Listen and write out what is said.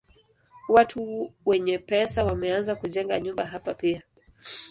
Watu wenye pesa wameanza kujenga nyumba hapa pia.